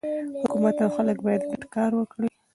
حکومت او خلک باید ګډ کار وکړي.